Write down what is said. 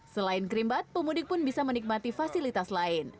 selain kerimbat pemudik pun bisa menikmati fasilitas lain